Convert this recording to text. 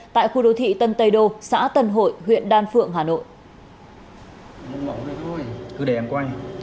tại khu đô thị tân tây đô xã tân hội huyện đan phượng hà nội